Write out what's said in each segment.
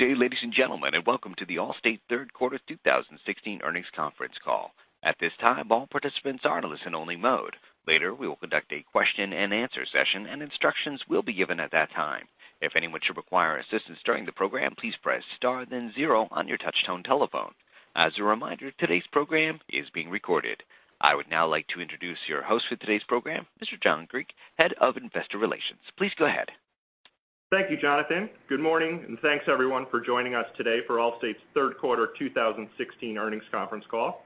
Good day, ladies and gentlemen, and welcome to the Allstate Third Quarter 2016 Earnings Conference Call. At this time, all participants are in listen only mode. Later, we will conduct a question and answer session, and instructions will be given at that time. If anyone should require assistance during the program, please press star then zero on your touchtone telephone. As a reminder, today's program is being recorded. I would now like to introduce your host for today's program, Mr. John Griek, Head of Investor Relations. Please go ahead. Thank you, Jonathan. Good morning, and thanks, everyone, for joining us today for Allstate's Third Quarter 2016 Earnings Conference Call.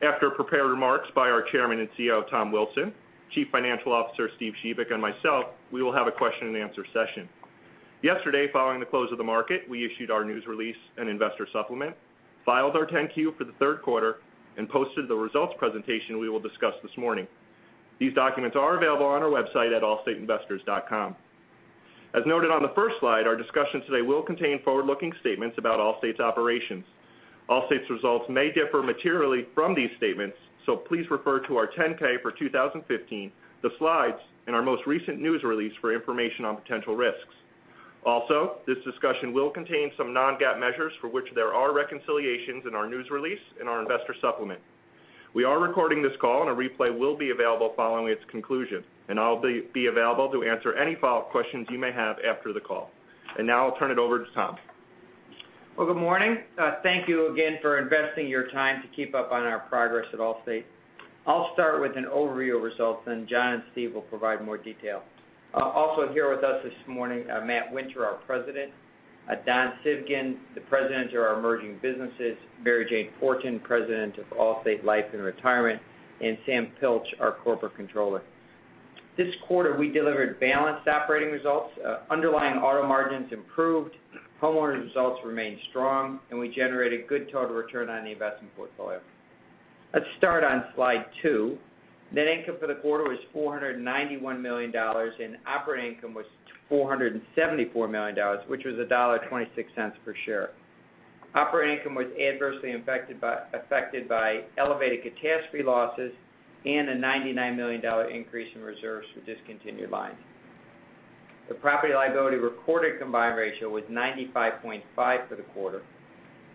After prepared remarks by our Chairman and CEO, Tom Wilson, Chief Financial Officer, Steven Shebik, and myself, we will have a question and answer session. Yesterday, following the close of the market, we issued our news release and investor supplement, filed our 10-Q for the third quarter, and posted the results presentation we will discuss this morning. These documents are available on our website at allstateinvestors.com. As noted on the first slide, our discussion today will contain forward-looking statements about Allstate's operations. Allstate's results may differ materially from these statements, so please refer to our 10-K for 2015, the slides, and our most recent news release for information on potential risks. Also, this discussion will contain some non-GAAP measures for which there are reconciliations in our news release, and our investor supplement. We are recording this call, and a replay will be available following its conclusion. I'll be available to answer any follow-up questions you may have after the call. Now I'll turn it over to Tom. Well, good morning. Thank you again for investing your time to keep up on our progress at Allstate. I'll start with an overview of results, John and Steve will provide more detail. Also here with us this morning, Matt Winter, our President, Don Civgin, the President of our Emerging Businesses, Mary Jane Fortin, President of Allstate Life and Retirement, and Samuel Pilch, our Corporate Controller. This quarter, we delivered balanced operating results. Underlying auto margins improved, homeowners' results remained strong, and we generated good total return on the investment portfolio. Let's start on slide two. Net income for the quarter was $491 million, and operating income was $474 million, which was $1.26 per share. Operating income was adversely affected by elevated catastrophe losses and a $99 million increase in reserves for discontinued lines. The property liability recorded combined ratio was 95.5% for the quarter,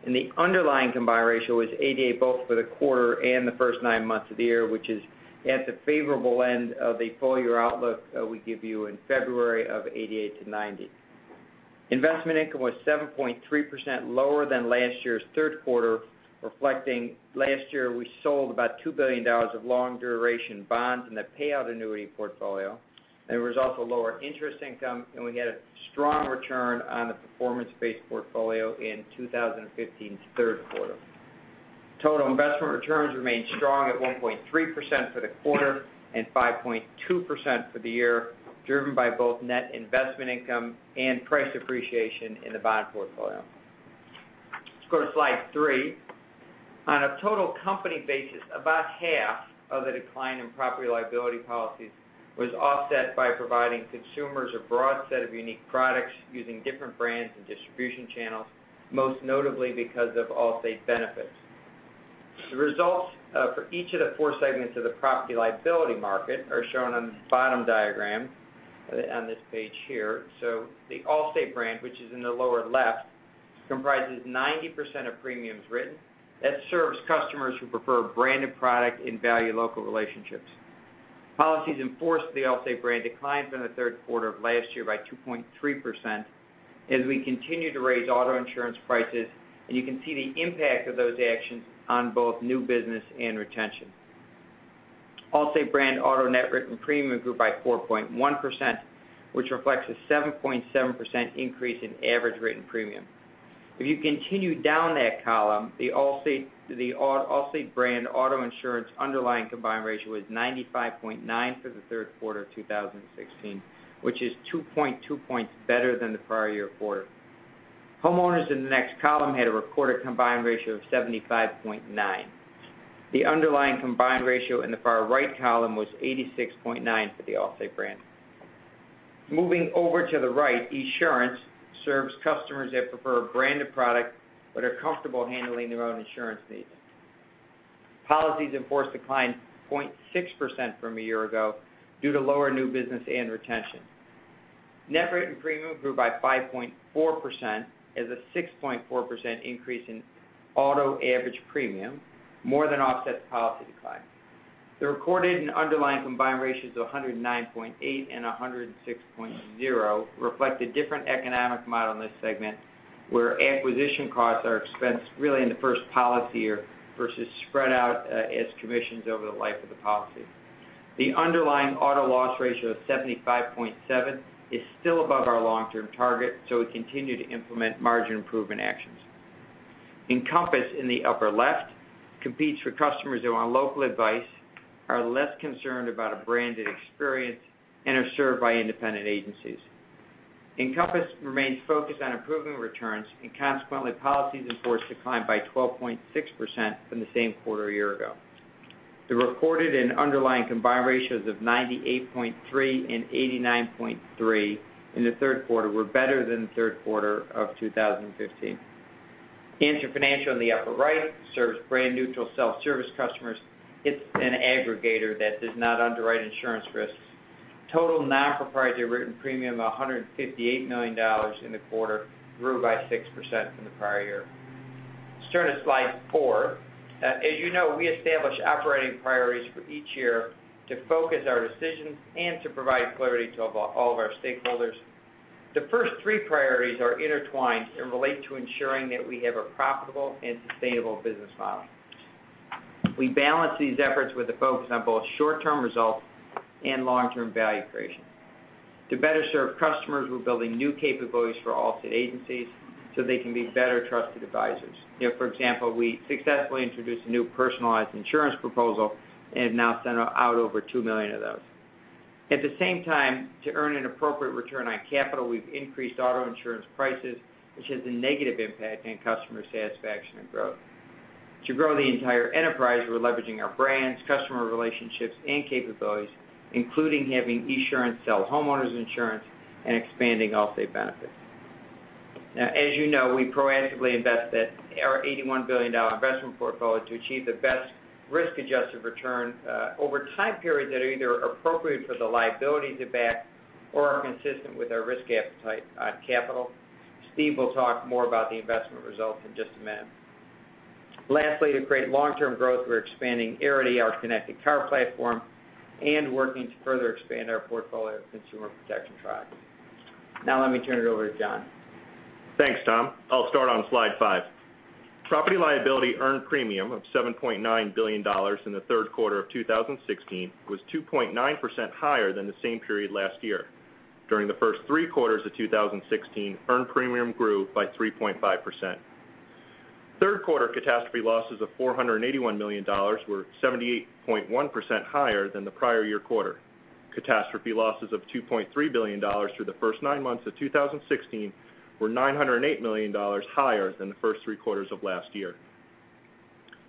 and the underlying combined ratio was 88%, both for the quarter and the first nine months of the year, which is at the favorable end of the full-year outlook we give you in February of 88%-90%. Investment income was 7.3% lower than last year's third quarter, reflecting last year, we sold about $2 billion of long-duration bonds in the payout annuity portfolio. There was also lower interest income, and we had a strong return on the performance-based portfolio in 2015's third quarter. Total investment returns remained strong at 1.3% for the quarter and 5.2% for the year, driven by both net investment income and price appreciation in the bond portfolio. Let's go to slide three. On a total company basis, about half of the decline in property liability policies was offset by providing consumers a broad set of unique products using different brands and distribution channels, most notably because of Allstate Benefits. The results for each of the four segments of the property liability market are shown on the bottom diagram on this page here. The Allstate brand, which is in the lower left, comprises 90% of premiums written. That serves customers who prefer a branded product and value local relationships. Policies in force for the Allstate brand declined from the third quarter of last year by 2.3% as we continue to raise auto insurance prices, and you can see the impact of those actions on both new business and retention. Allstate brand auto net written premium grew by 4.1%, which reflects a 7.7% increase in average written premium. If you continue down that column, the Allstate brand auto insurance underlying combined ratio was 95.9% for the third quarter of 2016, which is 2.2 points better than the prior year quarter. Homeowners in the next column had a recorded combined ratio of 75.9%. The underlying combined ratio in the far right column was 86.9% for the Allstate brand. Moving over to the right, Esurance serves customers that prefer a branded product but are comfortable handling their own insurance needs. Policies in force declined 0.6% from a year ago due to lower new business and retention. Net written premium grew by 5.4% as a 6.4% increase in auto average premium, more than offsets policy declines. The recorded and underlying combined ratios of 109.8% and 106.0% reflect a different economic model in this segment, where acquisition costs are expensed really in the first policy year versus spread out as commissions over the life of the policy. The underlying auto loss ratio of 75.7% is still above our long-term target. We continue to implement margin improvement actions. Encompass, in the upper left, competes for customers who want local advice, are less concerned about a branded experience, and are served by independent agencies. Encompass remains focused on improving returns, and consequently, policies in force declined by 12.6% from the same quarter a year ago. The recorded and underlying combined ratios of 98.3% and 89.3% in the third quarter were better than the third quarter of 2015. Answer Financial in the upper right serves brand-neutral self-service customers. It's an aggregator that does not underwrite insurance risks. Total non-proprietary written premium, $158 million in the quarter, grew by 6% from the prior year. Starting at slide four. As you know, we establish operating priorities for each year to focus our decisions and to provide clarity to all of our stakeholders. The first three priorities are intertwined and relate to ensuring that we have a profitable and sustainable business model. We balance these efforts with a focus on both short-term results and long-term value creation. To better serve customers, we're building new capabilities for Allstate agencies so they can be better trusted advisors. For example, we successfully introduced a new personalized insurance proposal and have now sent out over 2 million of those. At the same time, to earn an appropriate return on capital, we've increased auto insurance prices, which has a negative impact on customer satisfaction and growth. To grow the entire enterprise, we're leveraging our brands, customer relationships, and capabilities, including having Esurance sell homeowners insurance and expanding Allstate Benefits. As you know, we proactively invest our $81 billion investment portfolio to achieve the best risk-adjusted return over time periods that are either appropriate for the liabilities it backs or are consistent with our risk appetite on capital. Steve will talk more about the investment results in just a minute. Lastly, to create long-term growth, we're expanding Arity, our connected car platform, and working to further expand our portfolio of consumer protection products. Let me turn it over to John. Thanks, Tom. I'll start on slide five. Property & Liability earned premium of $7.9 billion in the third quarter of 2016 was 2.9% higher than the same period last year. During the first three quarters of 2016, earned premium grew by 3.5%. Third quarter catastrophe losses of $481 million were 78.1% higher than the prior year quarter. Catastrophe losses of $2.3 billion through the first nine months of 2016 were $908 million higher than the first three quarters of last year.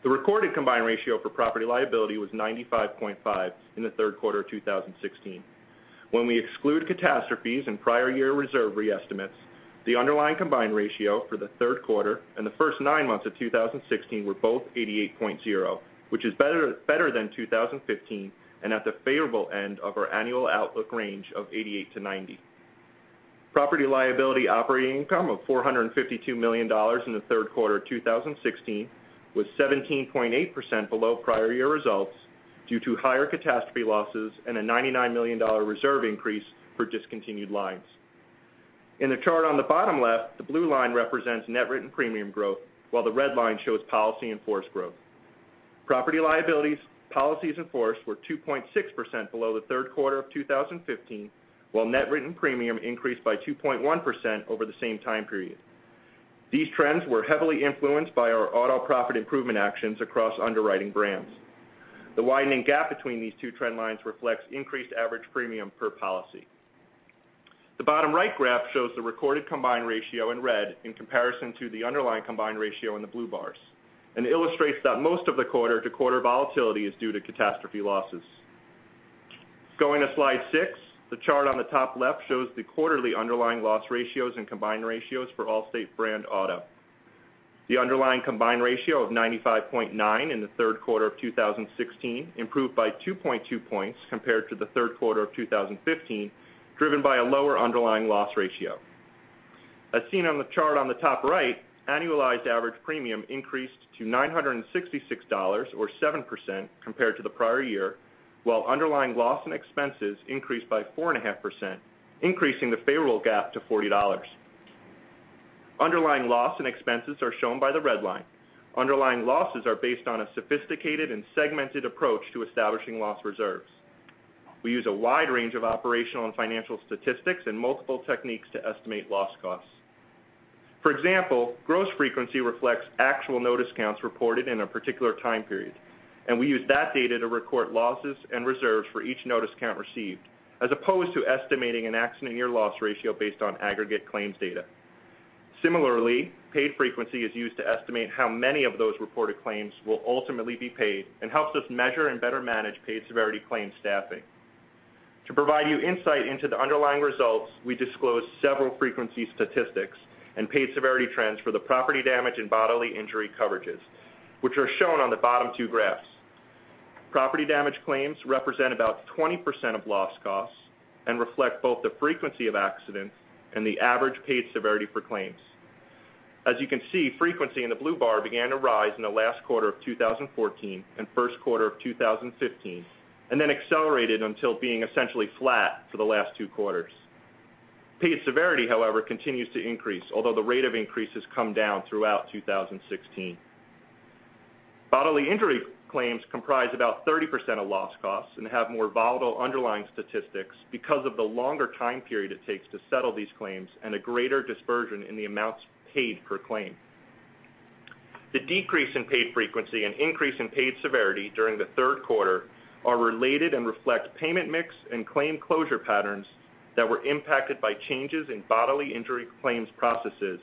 The recorded combined ratio for Property & Liability was 95.5 in the third quarter of 2016. When we exclude catastrophes and prior year reserve re-estimates, the underlying combined ratio for the third quarter and the first nine months of 2016 were both 88.0, which is better than 2015 and at the favorable end of our annual outlook range of 88-90. Property & Liability operating income of $452 million in the third quarter of 2016 was 17.8% below prior year results due to higher catastrophe losses and a $99 million reserve increase for discontinued lines. In the chart on the bottom left, the blue line represents net written premium growth, while the red line shows policy in-force growth. Property & Liability's policies in-force were 2.6% below the third quarter of 2015, while net written premium increased by 2.1% over the same time period. These trends were heavily influenced by our auto profit improvement actions across underwriting brands. The widening gap between these two trend lines reflects increased average premium per policy. The bottom right graph shows the recorded combined ratio in red in comparison to the underlying combined ratio in the blue bars and illustrates that most of the quarter-to-quarter volatility is due to catastrophe losses. Going to slide six, the chart on the top left shows the quarterly underlying loss ratios and combined ratios for Allstate brand auto. The underlying combined ratio of 95.9% in the third quarter of 2016 improved by 2.2 points compared to the third quarter of 2015, driven by a lower underlying loss ratio. As seen on the chart on the top right, annualized average premium increased to $966, or 7%, compared to the prior year, while underlying loss and expenses increased by 4.5%, increasing the favorable gap to $40. Underlying loss and expenses are shown by the red line. Underlying losses are based on a sophisticated and segmented approach to establishing loss reserves. We use a wide range of operational and financial statistics and multiple techniques to estimate loss costs. For example, gross frequency reflects actual notice counts reported in a particular time period. We use that data to record losses and reserves for each notice count received, as opposed to estimating an accident year loss ratio based on aggregate claims data. Paid frequency is used to estimate how many of those reported claims will ultimately be paid and helps us measure and better manage paid severity claims staffing. To provide you insight into the underlying results, we disclose several frequency statistics and paid severity trends for the property damage and bodily injury coverages, which are shown on the bottom two graphs. property damage claims represent about 20% of loss costs and reflect both the frequency of accidents and the average paid severity for claims. As you can see, frequency in the blue bar began to rise in the last quarter of 2014 and first quarter of 2015. Then accelerated until being essentially flat for the last two quarters. Paid severity, however, continues to increase, although the rate of increase has come down throughout 2016. bodily injury claims comprise about 30% of loss costs and have more volatile underlying statistics because of the longer time period it takes to settle these claims and a greater dispersion in the amounts paid per claim. The decrease in paid frequency and increase in paid severity during the third quarter are related and reflect payment mix and claim closure patterns that were impacted by changes in bodily injury claims processes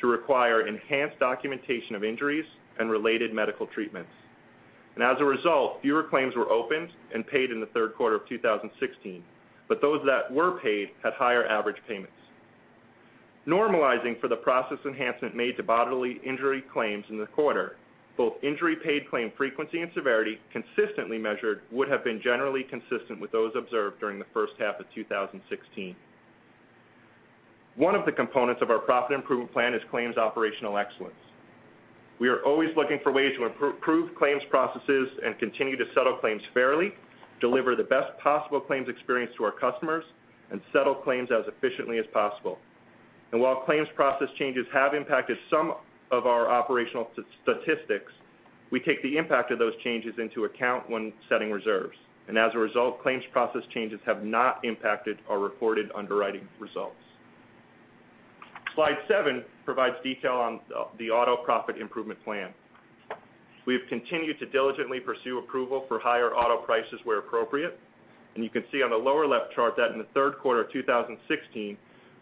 to require enhanced documentation of injuries and related medical treatments. As a result, fewer claims were opened and paid in the third quarter of 2016. Those that were paid had higher average payments. Normalizing for the process enhancement made to bodily injury claims in the quarter, both injury paid claim frequency and severity consistently measured would have been generally consistent with those observed during the first half of 2016. One of the components of our profit improvement plan is claims operational excellence. We are always looking for ways to improve claims processes and continue to settle claims fairly, deliver the best possible claims experience to our customers, and settle claims as efficiently as possible. While claims process changes have impacted some of our operational statistics, we take the impact of those changes into account when setting reserves. As a result, claims process changes have not impacted our reported underwriting results. Slide seven provides detail on the auto profit improvement plan. We have continued to diligently pursue approval for higher auto prices where appropriate. You can see on the lower left chart that in the third quarter of 2016,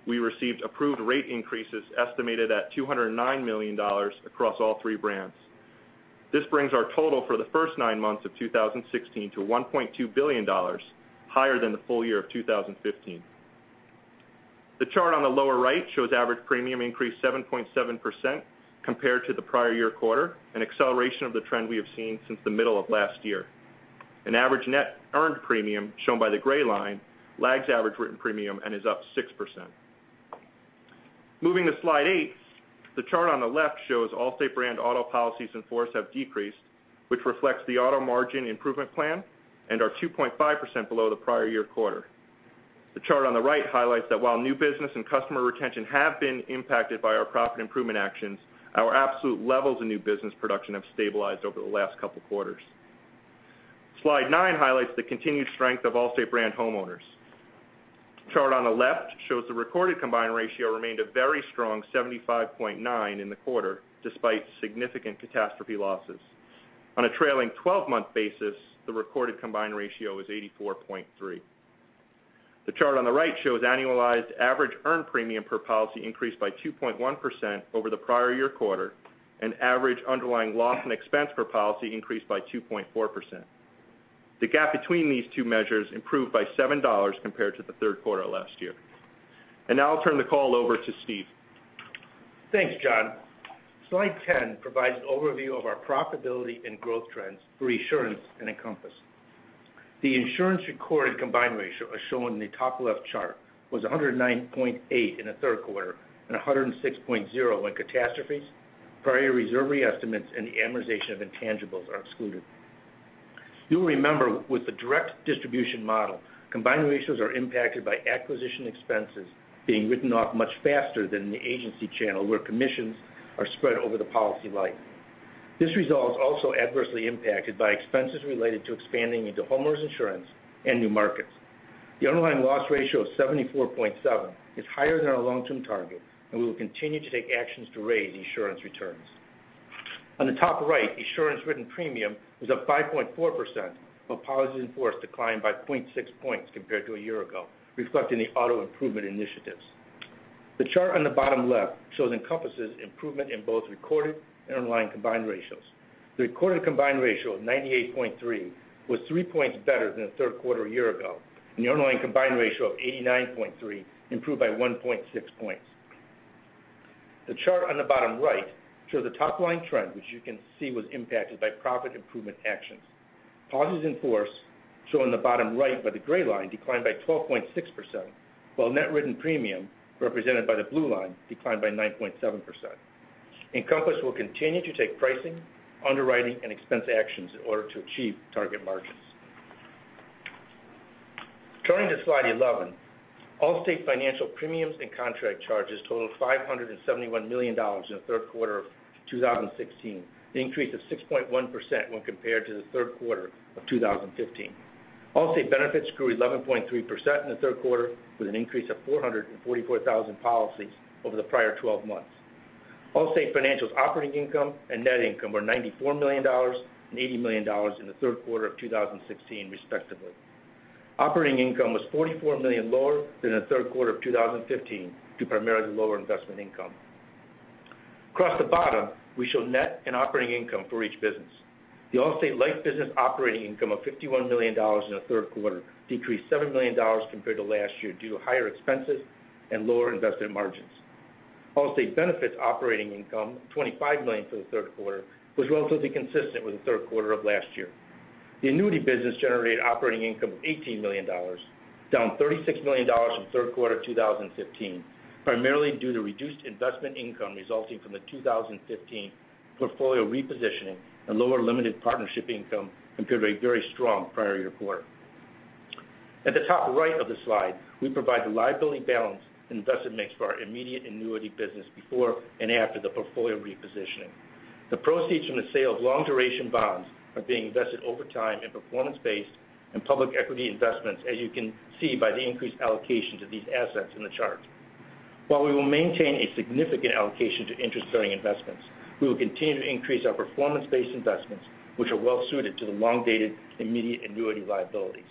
we received approved rate increases estimated at $209 million across all three brands. This brings our total for the first nine months of 2016 to $1.2 billion, higher than the full year of 2015. The chart on the lower right shows average premium increase 7.7% compared to the prior year quarter, an acceleration of the trend we have seen since the middle of last year. An average net earned premium, shown by the gray line, lags average written premium and is up 6%. Moving to slide eight, the chart on the left shows Allstate brand auto policies in force have decreased, which reflects the auto margin improvement plan and are 2.5% below the prior year quarter. The chart on the right highlights that while new business and customer retention have been impacted by our profit improvement actions, our absolute levels of new business production have stabilized over the last couple of quarters. Slide nine highlights the continued strength of Allstate brand homeowners. The chart on the left shows the recorded combined ratio remained a very strong 75.9 in the quarter, despite significant catastrophe losses. On a trailing 12-month basis, the recorded combined ratio was 84.3. The chart on the right shows annualized average earned premium per policy increased by 2.1% over the prior year quarter, and average underlying loss and expense per policy increased by 2.4%. The gap between these two measures improved by $7 compared to the third quarter last year. Now I'll turn the call over to Steve. Thanks, John. Slide 10 provides an overview of our profitability and growth trends for Esurance and Encompass. The Esurance recorded combined ratio, as shown in the top left chart, was 109.8 in the third quarter and 106.0 when catastrophes, prior year reserve re-estimates, and the amortization of intangibles are excluded. You'll remember with the direct distribution model, combined ratios are impacted by acquisition expenses being written off much faster than in the agency channel, where commissions are spread over the policy life. This result is also adversely impacted by expenses related to expanding into homeowners insurance and new markets. The underlying loss ratio of 74.7 is higher than our long-term target, and we will continue to take actions to raise Esurance returns. On the top right, Esurance written premium was up 5.4%, while policies in force declined by 0.6 points compared to a year ago, reflecting the auto improvement initiatives. The chart on the bottom left shows Encompass' improvement in both recorded and underlying combined ratios. The recorded combined ratio of 98.3 was three points better than the third quarter a year ago, and the underlying combined ratio of 89.3 improved by 1.6 points. The chart on the bottom right shows the top-line trend, which you can see was impacted by profit improvement actions. Policies in force, shown on the bottom right by the gray line, declined by 12.6%, while net written premium, represented by the blue line, declined by 9.7%. Encompass will continue to take pricing, underwriting, and expense actions in order to achieve target margins. Turning to slide 11, Allstate Financial premiums and contract charges totaled $571 million in the third quarter of 2016, an increase of 6.1% when compared to the third quarter of 2015. Allstate Benefits grew 11.3% in the third quarter, with an increase of 444,000 policies over the prior 12 months. Allstate Financial's operating income and net income were $94 million and $80 million in the third quarter of 2016, respectively. Operating income was $44 million lower than the third quarter of 2015 due primarily to lower investment income. Across the bottom, we show net and operating income for each business. The Allstate Life business operating income of $51 million in the third quarter decreased $7 million compared to last year due to higher expenses and lower investment margins. Allstate Benefits operating income, $25 million for the third quarter, was relatively consistent with the third quarter of last year. The annuity business generated operating income of $18 million, down $36 million from the third quarter of 2015, primarily due to reduced investment income resulting from the 2015 portfolio repositioning and lower limited partnership income compared to a very strong prior year quarter. At the top right of the slide, we provide the liability balance and investment mix for our immediate annuity business before and after the portfolio repositioning. The proceeds from the sale of long-duration bonds are being invested over time in performance-based and public equity investments, as you can see by the increased allocation to these assets in the chart. While we will maintain a significant allocation to interest-bearing investments, we will continue to increase our performance-based investments, which are well suited to the long-dated immediate annuity liabilities.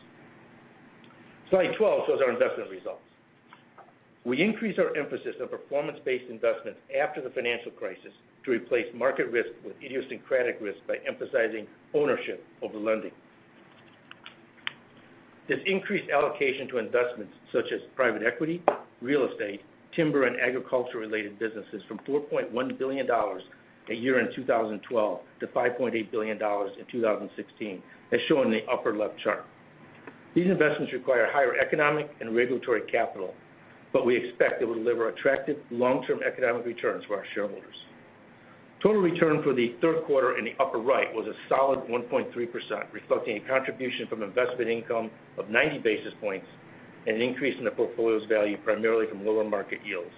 Slide 12 shows our investment results. We increased our emphasis on performance-based investments after the financial crisis to replace market risk with idiosyncratic risk by emphasizing ownership of the lending. This increased allocation to investments such as private equity, real estate, timber, and agriculture-related businesses from $4.1 billion a year in 2012 to $5.8 billion in 2016, as shown in the upper left chart. These investments require higher economic and regulatory capital, but we expect they will deliver attractive long-term economic returns for our shareholders. Total return for the third quarter in the upper right was a solid 1.3%, reflecting a contribution from investment income of 90 basis points and an increase in the portfolio's value primarily from lower market yields.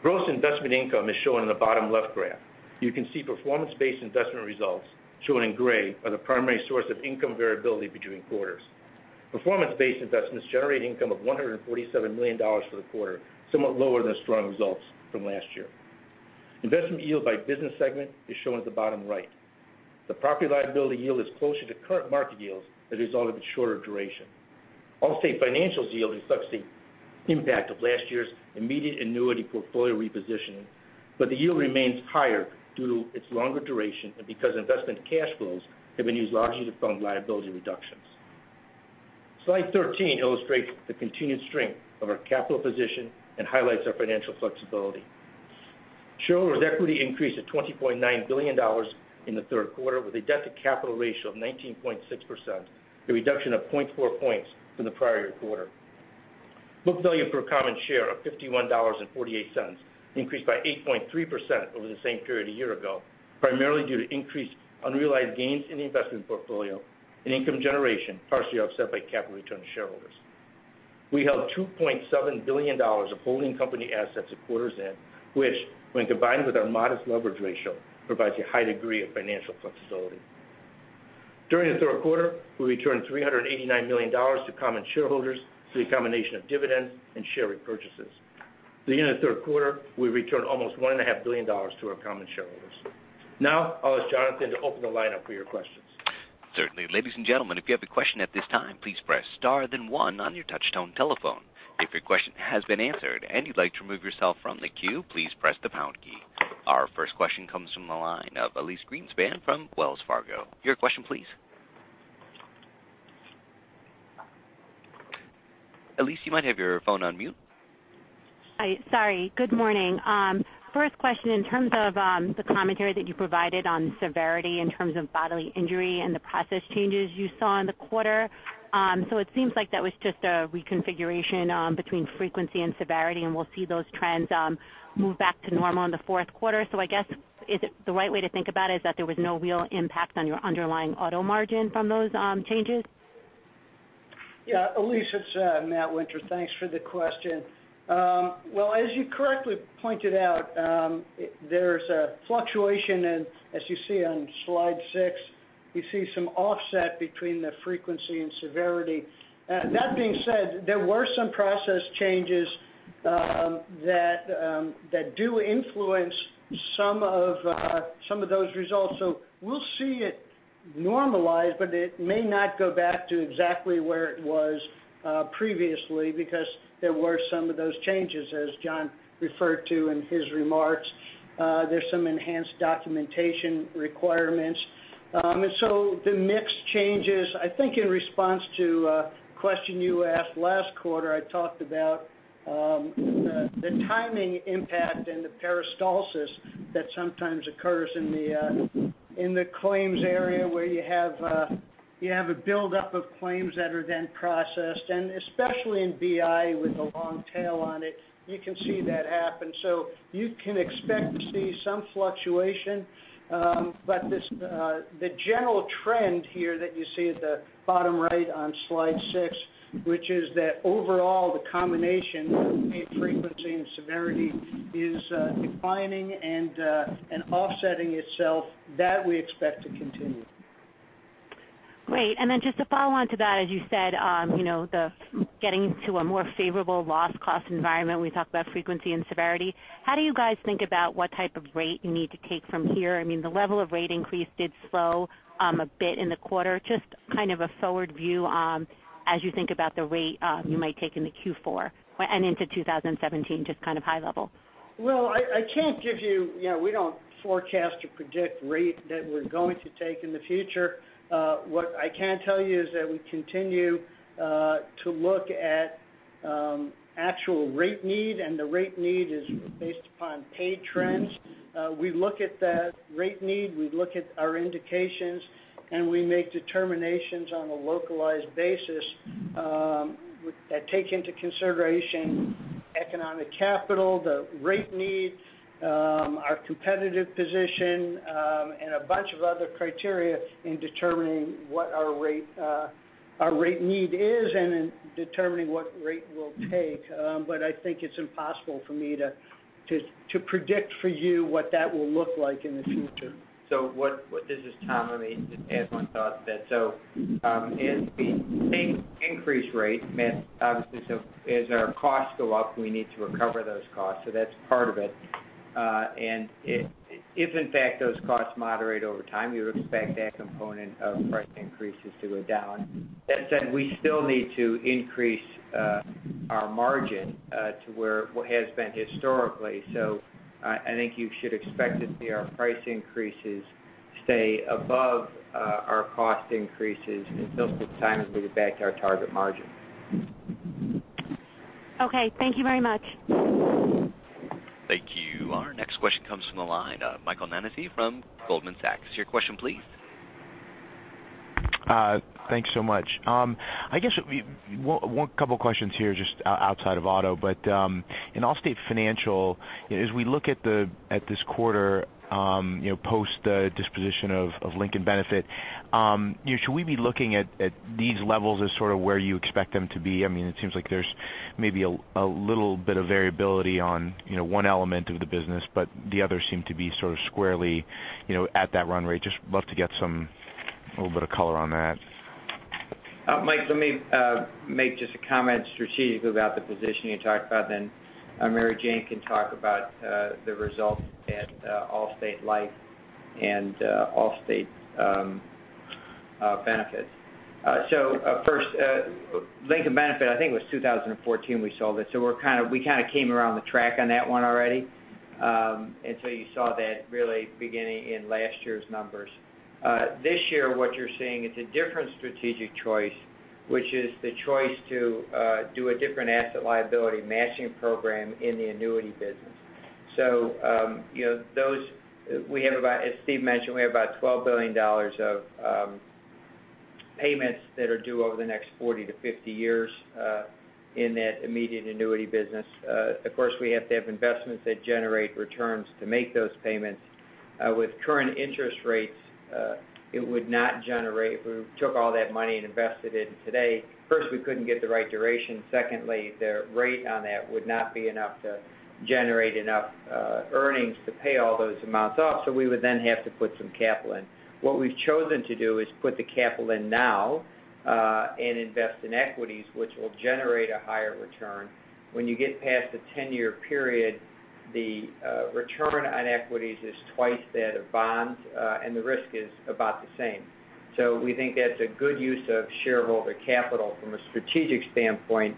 Gross investment income is shown in the bottom left graph. You can see performance-based investment results, shown in gray, are the primary source of income variability between quarters. Performance-based investments generate income of $147 million for the quarter, somewhat lower than strong results from last year. Investment yield by business segment is shown at the bottom right. The property liability yield is closer to current market yields as a result of its shorter duration. Allstate Financial's yield reflects the impact of last year's immediate annuity portfolio repositioning, but the yield remains higher due to its longer duration and because investment cash flows have been used largely to fund liability reductions. Slide 13 illustrates the continued strength of our capital position and highlights our financial flexibility. Shareholders' equity increased to $20.9 billion in the third quarter with a debt-to-capital ratio of 19.6%, a reduction of 0.4 points from the prior quarter. Book value per common share of $51.48 increased by 8.3% over the same period a year ago, primarily due to increased unrealized gains in the investment portfolio and income generation partially offset by capital returned to shareholders. We held $2.7 billion of holding company assets at quarter's end, which, when combined with our modest leverage ratio, provides a high degree of financial flexibility. During the third quarter, we returned $389 million to common shareholders through a combination of dividends and share repurchases. At the end of the third quarter, we returned almost $1.5 billion to our common shareholders. I'll ask Jonathan to open the line up for your questions. Certainly. Ladies and gentlemen, if you have a question at this time, please press star then one on your touchtone telephone. If your question has been answered and you'd like to remove yourself from the queue, please press the pound key. Our first question comes from the line of Elyse Greenspan from Wells Fargo. Your question, please. Elyse, you might have your phone on mute. Sorry. Good morning. First question, in terms of the commentary that you provided on severity in terms of bodily injury and the process changes you saw in the quarter. It seems like that was just a reconfiguration between frequency and severity, and we'll see those trends move back to normal in the fourth quarter. I guess, is the right way to think about it is that there was no real impact on your underlying auto margin from those changes? Yeah, Elyse, it's Matt Winter. Thanks for the question. Well, as you correctly pointed out, there's a fluctuation, and as you see on slide six, you see some offset between the frequency and severity. That being said, there were some process changes that do influence some of those results. We'll see it normalize, but it may not go back to exactly where it was previously, because there were some of those changes, as John referred to in his remarks. There's some enhanced documentation requirements. The mix changes. I think in response to a question you asked last quarter, I talked about the timing impact and the peristalsis that sometimes occurs in the claims area where you have a buildup of claims that are then processed, and especially in BI with a long tail on it, you can see that happen. You can expect to see some fluctuation. The general trend here that you see at the bottom right on slide six, which is that overall, the combination of paid frequency and severity is declining and offsetting itself. That, we expect to continue. Great. Just to follow on to that, as you said, getting to a more favorable loss cost environment, we talked about frequency and severity. How do you guys think about what type of rate you need to take from here? The level of rate increase did slow a bit in the quarter. Just a forward view as you think about the rate you might take into Q4 and into 2017, just high level. Well, we don't forecast or predict rate that we're going to take in the future. What I can tell you is that we continue to look at actual rate need, the rate need is based upon paid trends. We look at that rate need, we look at our indications, and we make determinations on a localized basis that take into consideration economic capital, the rate needs, our competitive position, and a bunch of other criteria in determining what our rate need is and in determining what rate we'll take. I think it's impossible for me to predict for you what that will look like in the future. This is Tom. Let me just add one thought to that. As we increase rate, Matt, obviously as our costs go up, we need to recover those costs, so that's part of it. If in fact those costs moderate over time, we would expect that component of price increases to go down. That said, we still need to increase our margin to where it has been historically. I think you should expect to see our price increases stay above our cost increases until such time as we get back to our target margin. Okay, thank you very much. Thank you. Our next question comes from the line, Michael Nannizzi from Goldman Sachs. Your question, please. Thanks so much. I guess one couple questions here, just outside of auto. In Allstate Financial, as we look at this quarter post the disposition of Lincoln Benefit, should we be looking at these levels as sort of where you expect them to be? It seems like there's maybe a little bit of variability on one element of the business, but the others seem to be squarely at that run rate. Just love to get a little bit of color on that. Mike, let me make just a comment strategically about the position you talked about, then Mary Jane can talk about the results at Allstate Life and Allstate Benefits. First, Lincoln Benefit, I think it was 2014 we sold it. We kind of came around the track on that one already. You saw that really beginning in last year's numbers. This year, what you're seeing is a different strategic choice, which is the choice to do a different asset liability matching program in the annuity business. As Steve mentioned, we have about $12 billion of payments that are due over the next 40 to 50 years in that immediate annuity business. Of course, we have to have investments that generate returns to make those payments. With current interest rates, it would not generate if we took all that money and invested it in today. First, we couldn't get the right duration. Secondly, the rate on that would not be enough to generate enough earnings to pay all those amounts off. We would then have to put some capital in. What we've chosen to do is put the capital in now, and invest in equities, which will generate a higher return. When you get past the 10-year period, the return on equities is twice that of bonds, and the risk is about the same. We think that's a good use of shareholder capital from a strategic standpoint.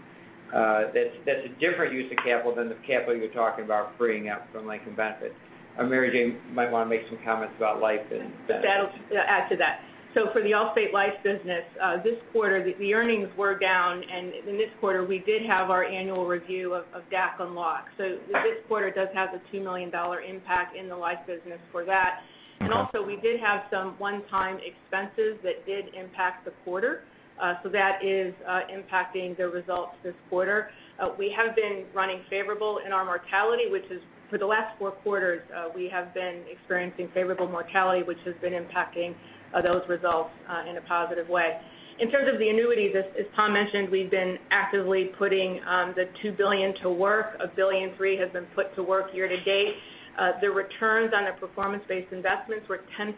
That's a different use of capital than the capital you're talking about freeing up from Lincoln Benefit. Mary Jane, you might want to make some comments about life and- I'll add to that. For the Allstate Life business, this quarter, the earnings were down, and in this quarter, we did have our annual review of DAC unlocking. This quarter does have the $2 million impact in the life business for that. Also we did have some one-time expenses that did impact the quarter. That is impacting the results this quarter. We have been running favorable in our mortality, which is for the last four quarters, we have been experiencing favorable mortality, which has been impacting those results in a positive way. In terms of the annuities, as Tom mentioned, we've been actively putting the $2 billion to work. $1.3 billion has been put to work year to date. The returns on the performance-based investments were 10%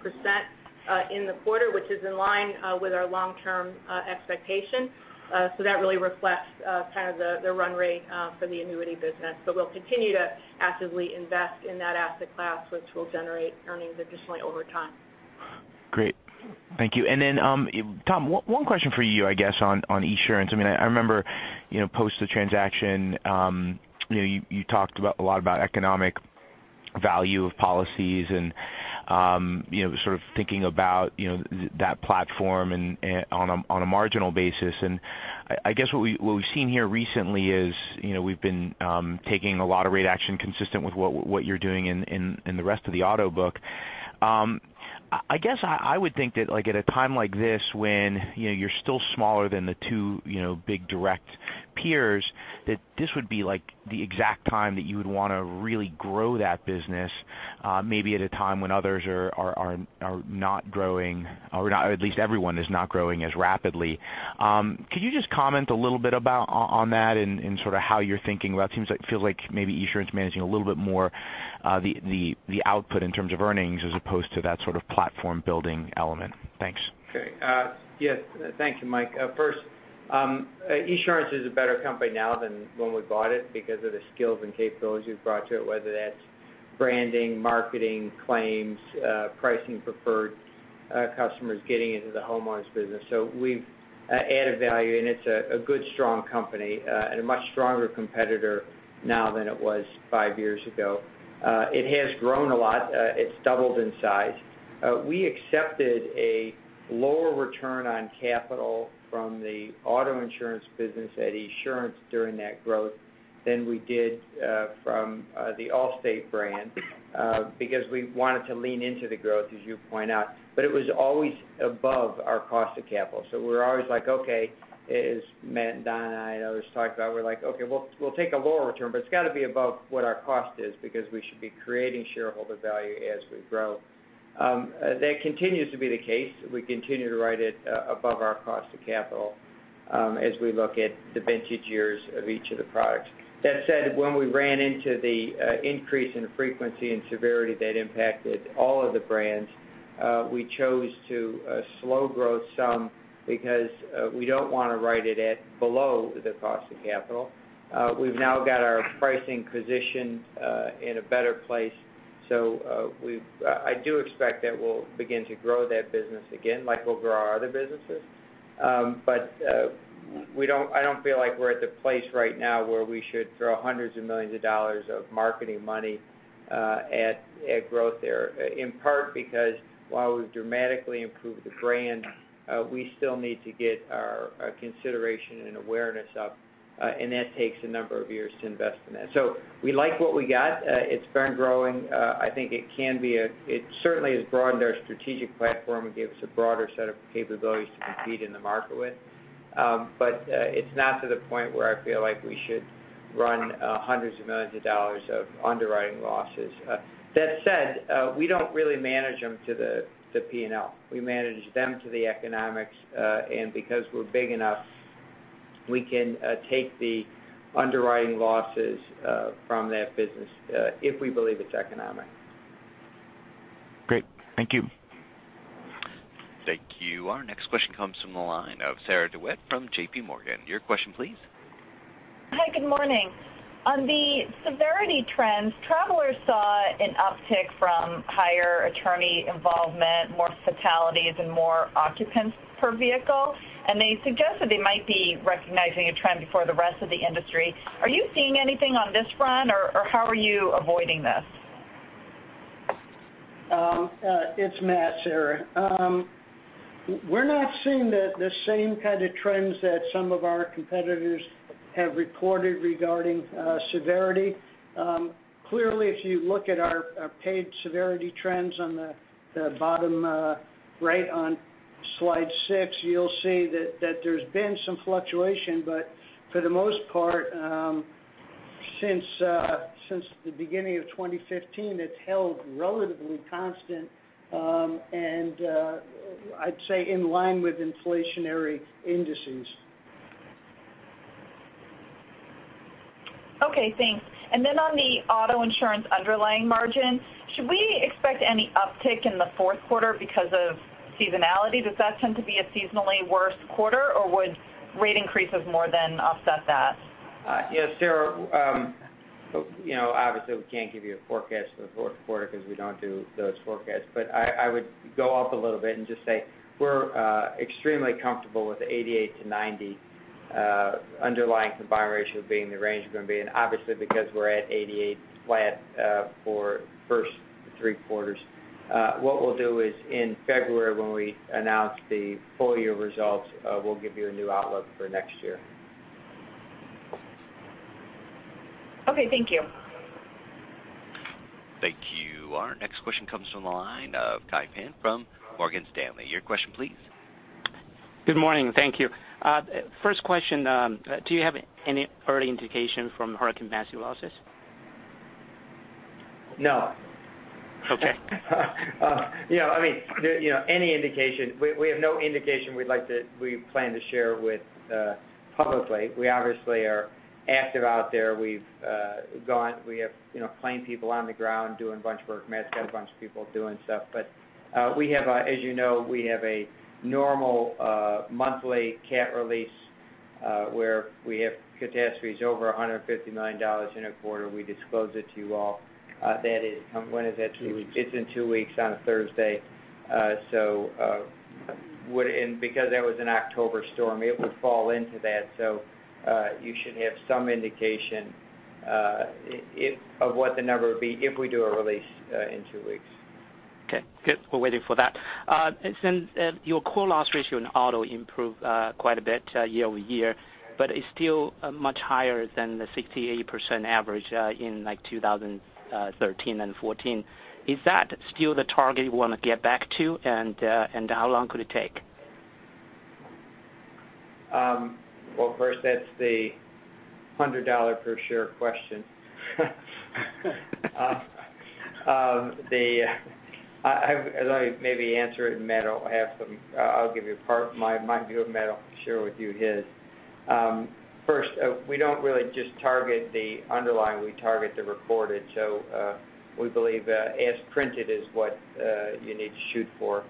in the quarter, which is in line with our long-term expectation. That really reflects kind of the run rate for the annuity business. We'll continue to actively invest in that asset class, which will generate earnings additionally over time. Great. Thank you. Then, Tom, one question for you, I guess, on Esurance. I remember, post the transaction, you talked a lot about economic value of policies and sort of thinking about that platform and on a marginal basis. I guess what we've seen here recently is we've been taking a lot of rate action consistent with what you're doing in the rest of the auto book. I guess I would think that at a time like this when you're still smaller than the two big direct peers, that this would be the exact time that you would want to really grow that business, maybe at a time when others are not growing, or at least everyone is not growing as rapidly. Could you just comment a little bit on that and sort of how you're thinking about it? It feels like maybe Esurance managing a little bit more the output in terms of earnings as opposed to that sort of platform-building element. Thanks. Okay. Yes. Thank you, Mike. First, Esurance is a better company now than when we bought it because of the skills and capabilities we've brought to it, whether that's branding, marketing, claims, pricing preferred, customers getting into the homeowners business. We've added value, and it's a good, strong company, and a much stronger competitor now than it was five years ago. It has grown a lot. It's doubled in size. We accepted a lower return on capital from the auto insurance business at Esurance during that growth than we did from the Allstate brand because we wanted to lean into the growth, as you point out. It was always above our cost of capital. We're always like, okay, as Matt and Don and I and others talk about, we're like, "Okay, we'll take a lower return, but it's got to be above what our cost is because we should be creating shareholder value as we grow." That continues to be the case. We continue to write it above our cost of capital as we look at the vintage years of each of the products. That said, when we ran into the increase in frequency and severity that impacted all of the brands We chose to slow growth some because we don't want to write it at below the cost of capital. We've now got our pricing position in a better place. I do expect that we'll begin to grow that business again, like we'll grow our other businesses. I don't feel like we're at the place right now where we should throw hundreds of millions of dollars of marketing money at growth there, in part because while we've dramatically improved the brand, we still need to get our consideration and awareness up, and that takes a number of years to invest in that. We like what we got. It's been growing. It certainly has broadened our strategic platform and gave us a broader set of capabilities to compete in the market with. It's not to the point where I feel like we should run hundreds of millions of dollars of underwriting losses. That said, we don't really manage them to the P&L. We manage them to the economics, and because we're big enough, we can take the underwriting losses from that business, if we believe it's economic. Great. Thank you. Thank you. Our next question comes from the line of Sarah DeWitt from J.P. Morgan. Your question, please. Hi, good morning. On the severity trends, Travelers saw an uptick from higher attorney involvement, more fatalities, and more occupants per vehicle, and they suggested they might be recognizing a trend before the rest of the industry. Are you seeing anything on this front, or how are you avoiding this? It's Matt, Sarah. We're not seeing the same kind of trends that some of our competitors have reported regarding severity. Clearly, if you look at our paid severity trends on the bottom right on slide six, you'll see that there's been some fluctuation, but for the most part, since the beginning of 2015, it's held relatively constant, and I'd say in line with inflationary indices. Okay, thanks. On the auto insurance underlying margin, should we expect any uptick in the fourth quarter because of seasonality? Does that tend to be a seasonally worse quarter, or would rate increases more than offset that? Yeah, Sarah, obviously, we can't give you a forecast for the fourth quarter because we don't do those forecasts. I would go up a little bit and just say we're extremely comfortable with 88-90 underlying combined ratio being the range we're going to be in. Obviously, because we're at 88 flat for the first three quarters. What we'll do is in February, when we announce the full-year results, we'll give you a new outlook for next year. Okay, thank you. Thank you. Our next question comes from the line of Kai Pan from Morgan Stanley. Your question, please. Good morning. Thank you. First question, do you have any early indication from Hurricane Matthew losses? No. Okay. Any indication, we have no indication we plan to share with publicly. We obviously are active out there. We have plain people on the ground doing a bunch of work. Matt's got a bunch of people doing stuff. As you know, we have a normal monthly cat release, where if we have catastrophes over $150 million in a quarter, we disclose it to you all. When is that due? Two weeks. It's in two weeks on a Thursday. Because that was an October storm, it would fall into that. You should have some indication of what the number would be if we do a release in two weeks. Okay, good. We're waiting for that. Since your core loss ratio in auto improved quite a bit year-over-year, but it's still much higher than the 68% average in 2013 and 2014. Is that still the target you want to get back to, and how long could it take? Well, first, that's the $100 per share question. Let me maybe answer it, and Matt will have some. I'll give you part my view, Matt will share with you his. First, we don't really just target the underlying, we target the reported. We believe as printed is what you need to shoot for.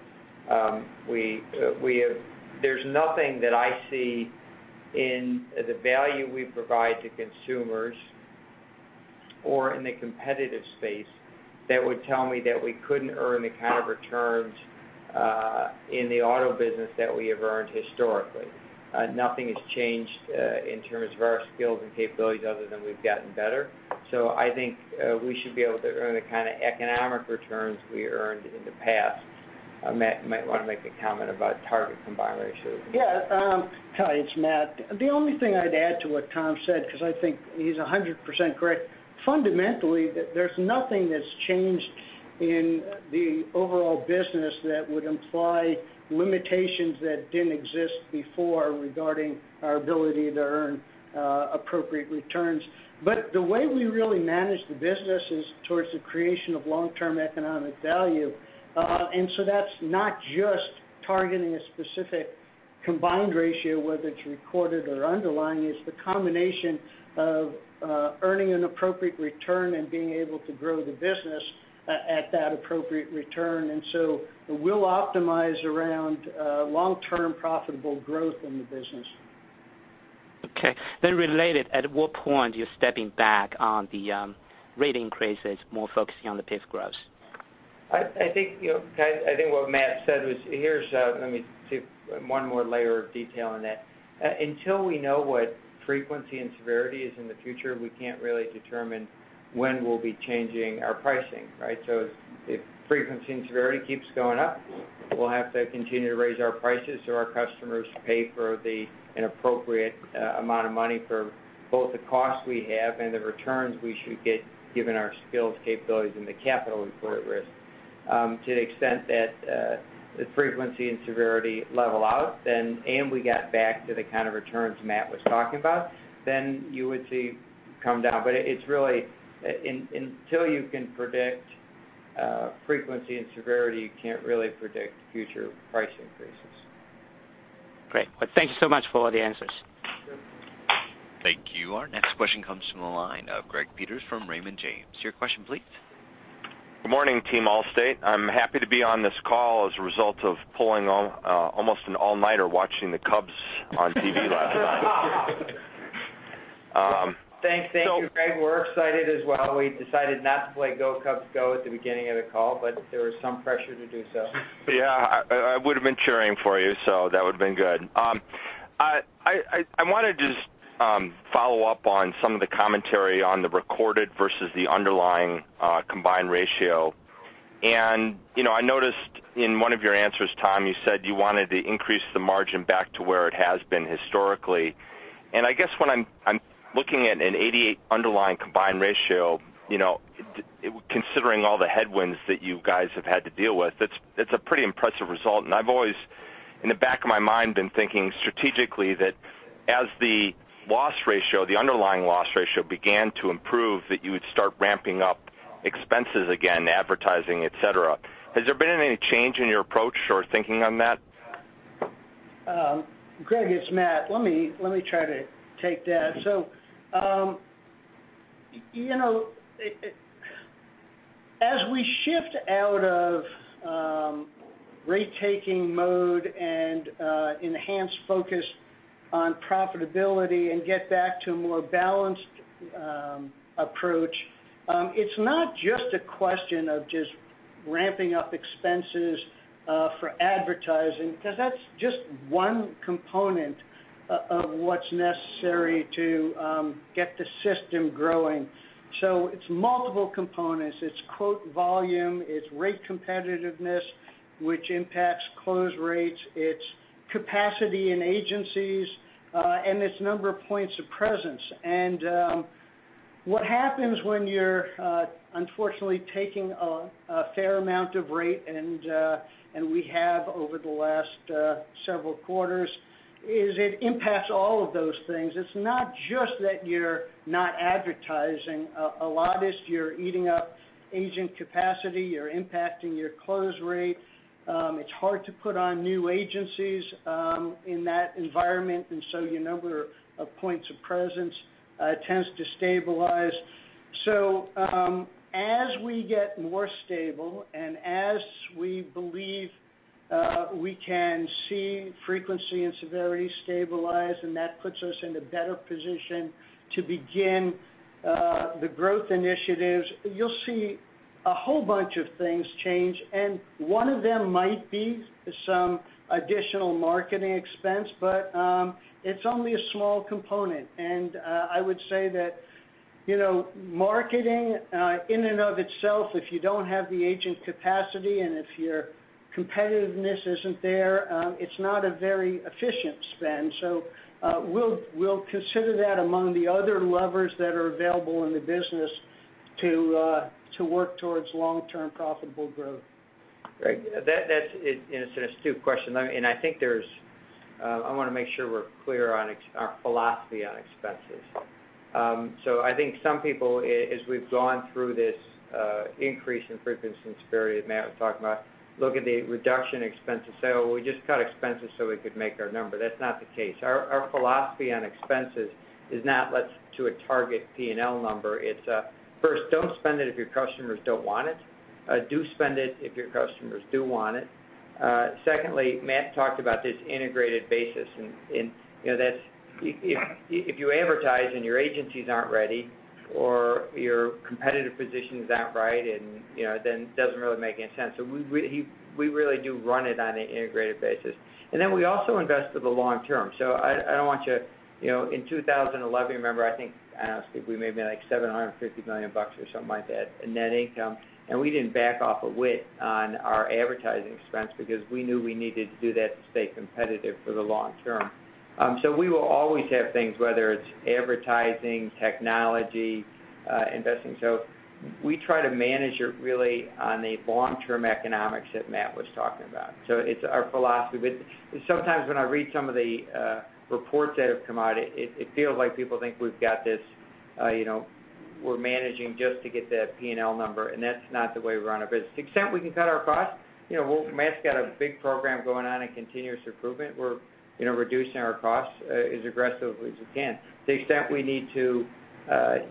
There's nothing that I see in the value we provide to consumers or in the competitive space that would tell me that we couldn't earn the kind of returns in the auto business that we have earned historically. Nothing has changed in terms of our skills and capabilities other than we've gotten better. I think we should be able to earn the kind of economic returns we earned in the past. Matt, you might want to make a comment about target combined ratio. Yeah. Kai, it's Matt. The only thing I'd add to what Tom said, because I think he's 100% correct, fundamentally, there's nothing that's changed in the overall business that would imply limitations that didn't exist before regarding our ability to earn appropriate returns. The way we really manage the business is towards the creation of long-term economic value. That's not just targeting a specific combined ratio, whether it's recorded or underlying, is the combination of earning an appropriate return and being able to grow the business at that appropriate return. We'll optimize around long-term profitable growth in the business. Okay. Related, at what point are you stepping back on the rate increases, more focusing on the PIF growth? I think what Matt said was. Let me give one more layer of detail on that. Until we know what frequency and severity is in the future, we can't really determine when we'll be changing our pricing. Right? If frequency and severity keeps going up, we'll have to continue to raise our prices so our customers pay for an appropriate amount of money for both the cost we have and the returns we should get given our skills, capabilities, and the capital we put at risk. To the extent that if frequency and severity level out, and we get back to the kind of returns Matt was talking about, then you would see it come down. But until you can predict frequency and severity, you can't really predict future price increases. Great. Well, thank you so much for all the answers. Sure. Thank you. Our next question comes from the line of Greg Peters from Raymond James. Your question please. Good morning, team Allstate. I'm happy to be on this call as a result of pulling almost an all-nighter watching the Cubs on TV last night. Thank you, Greg. We're excited as well. We decided not to play "Go Cubs Go" at the beginning of the call, there was some pressure to do so. I would've been cheering for you, that would've been good. I want to just follow up on some of the commentary on the recorded versus the underlying combined ratio. I noticed in one of your answers, Tom, you said you wanted to increase the margin back to where it has been historically. I guess when I'm looking at an 88 underlying combined ratio, considering all the headwinds that you guys have had to deal with, it's a pretty impressive result. I've always, in the back of my mind, been thinking strategically that as the underlying loss ratio began to improve, that you would start ramping up expenses again, advertising, et cetera. Has there been any change in your approach or thinking on that? Greg, it's Matt. Let me try to take that. As we shift out of rate-taking mode and enhance focus on profitability and get back to a more balanced approach, it's not just a question of just ramping up expenses for advertising, because that's just one component of what's necessary to get the system growing. It's multiple components. It's quote volume, it's rate competitiveness, which impacts close rates, it's capacity in agencies, and it's number of points of presence. What happens when you're unfortunately taking a fair amount of rate, and we have over the last several quarters, is it impacts all of those things. It's not just that you're not advertising a lot is you're eating up agent capacity, you're impacting your close rate. It's hard to put on new agencies in that environment, your number of points of presence tends to stabilize. As we get more stable and as we believe we can see frequency and severity stabilize, that puts us in a better position to begin the growth initiatives, you'll see a whole bunch of things change, one of them might be some additional marketing expense, it's only a small component. I would say that marketing in and of itself, if you don't have the agent capacity and if your competitiveness isn't there, it's not a very efficient spend. We'll consider that among the other levers that are available in the business to work towards long-term profitable growth. Greg, that's an astute question. I want to make sure we're clear on our philosophy on expenses. I think some people, as we've gone through this increase in frequency and severity that Matt was talking about, look at the reduction in expenses, say, "Oh, we just cut expenses so we could make our number." That's not the case. Our philosophy on expenses is not let's to a target P&L number. It's first, don't spend it if your customers don't want it. Do spend it if your customers do want it. Secondly, Matt talked about this integrated basis, and if you advertise and your agencies aren't ready or your competitive position is not right, then it doesn't really make any sense. We really do run it on an integrated basis. We also invest for the long term. In 2011, remember, I think, I don't know, Steve, we made like $750 million or something like that in net income, we didn't back off a wit on our advertising expense because we knew we needed to do that to stay competitive for the long term. We will always have things, whether it's advertising, technology investing. We try to manage it really on the long-term economics that Matt was talking about. It's our philosophy. Sometimes when I read some of the reports that have come out, it feels like people think We're managing just to get that P&L number, and that's not the way we run a business. To the extent we can cut our costs, Matt's got a big program going on in continuous improvement. We're reducing our costs as aggressively as we can. To the extent we need to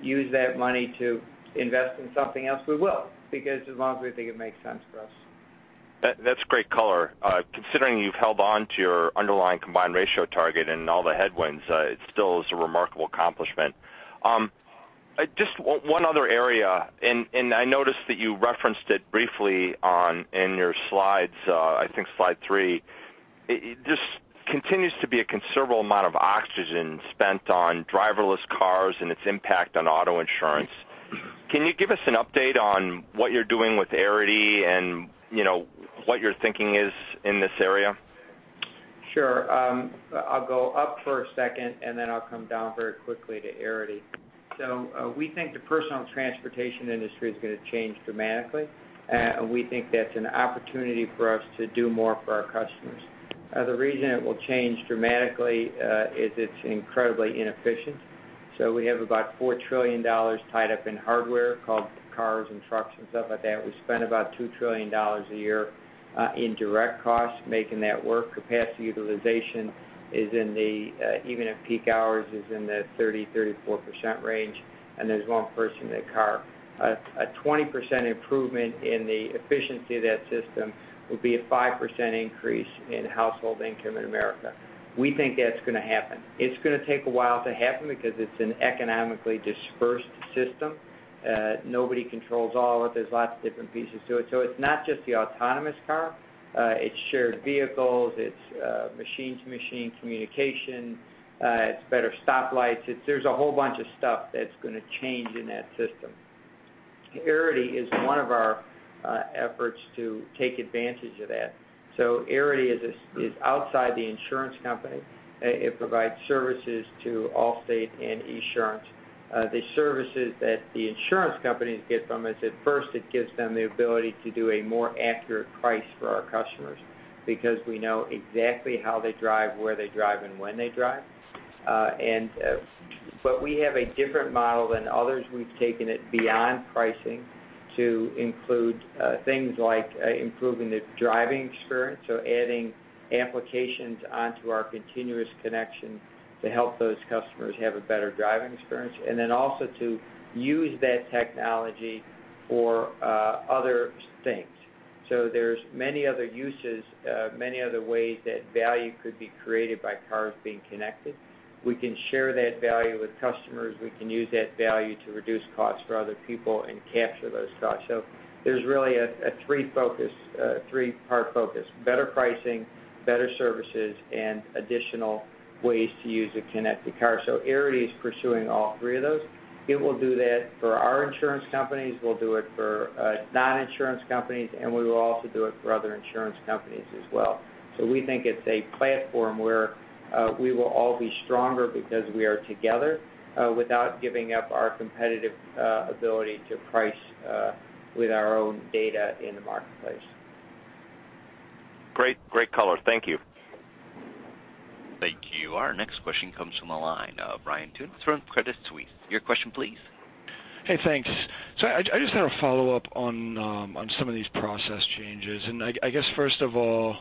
use that money to invest in something else, we will, because as long as we think it makes sense for us. That's great color. Considering you've held onto your underlying combined ratio target and all the headwinds, it still is a remarkable accomplishment. Just one other area, I noticed that you referenced it briefly in your slides, I think slide three. There continues to be a considerable amount of oxygen spent on driverless cars and its impact on auto insurance. Can you give us an update on what you're doing with Arity and what your thinking is in this area? Sure. I'll go up for a second and then I'll come down very quickly to Arity. We think the personal transportation industry is going to change dramatically, and we think that's an opportunity for us to do more for our customers. The reason it will change dramatically is it's incredibly inefficient. We have about $4 trillion tied up in hardware, called cars and trucks and stuff like that. We spend about $2 trillion a year in direct costs making that work. Capacity utilization, even at peak hours, is in the 30%, 34% range, and there's one person to a car. A 20% improvement in the efficiency of that system will be a 5% increase in household income in America. We think that's going to happen. It's going to take a while to happen because it's an economically dispersed system. Nobody controls all of it. There's lots of different pieces to it. It's not just the autonomous car, it's shared vehicles, it's machine-to-machine communication, it's better stoplights. There's a whole bunch of stuff that's going to change in that system. Arity is one of our efforts to take advantage of that. Arity is outside the insurance company. It provides services to Allstate and Esurance. The services that the insurance companies get from us, at first, it gives them the ability to do a more accurate price for our customers, because we know exactly how they drive, where they drive, and when they drive. We have a different model than others. We've taken it beyond pricing to include things like improving the driving experience. Adding applications onto our continuous connection to help those customers have a better driving experience. Also to use that technology for other things. There's many other uses, many other ways that value could be created by cars being connected. We can share that value with customers. We can use that value to reduce costs for other people and capture those costs. There's really a three-part focus, better pricing, better services, and additional ways to use a connected car. Arity is pursuing all three of those. It will do that for our insurance companies, we'll do it for non-insurance companies, and we will also do it for other insurance companies as well. We think it's a platform where we will all be stronger because we are together, without giving up our competitive ability to price with our own data in the marketplace. Great color. Thank you. Thank you. Our next question comes from the line of Ryan Tunis from Credit Suisse. Your question, please. Hey, thanks. I just had a follow-up on some of these process changes, and I guess first of all,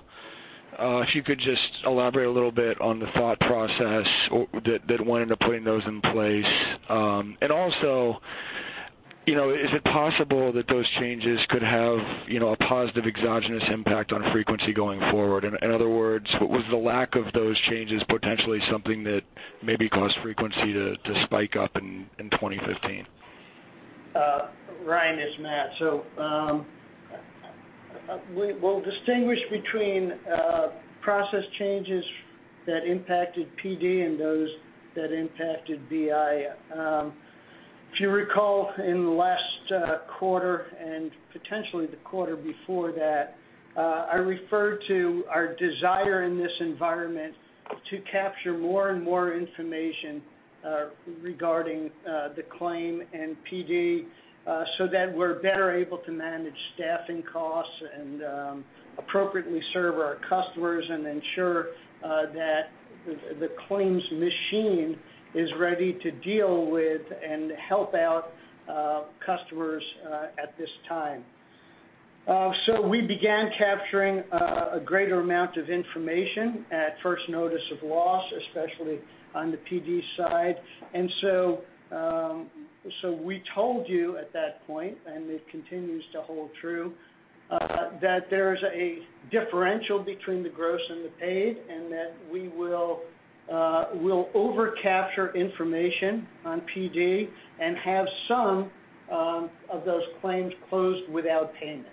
if you could just elaborate a little bit on the thought process that went into putting those in place. Also, is it possible that those changes could have a positive exogenous impact on frequency going forward? In other words, was the lack of those changes potentially something that maybe caused frequency to spike up in 2015? Ryan, this is Matt. We'll distinguish between process changes that impacted PD and those that impacted BI. If you recall, in the last quarter, and potentially the quarter before that, I referred to our desire in this environment to capture more and more information regarding the claim and PD, so that we're better able to manage staffing costs and appropriately serve our customers and ensure that the claims machine is ready to deal with and help out customers at this time. We began capturing a greater amount of information at first notice of loss, especially on the PD side. We told you at that point, and it continues to hold true, that there's a differential between the gross and the paid, and that we'll over-capture information on PD and have some of those claims closed without payment.